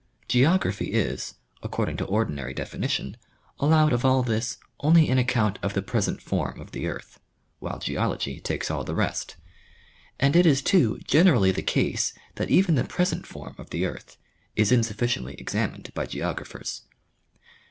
Geography is according to ordinary definition allowed of all this only an account of the present form of the earth, while geology takes all the rest, and it is too generally the case that even the present form of the earth is insufficiently examined by geographers.